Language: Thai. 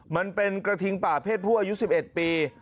มันเป็นกระทิงป่าเพศผู้อายุ๑๑ปี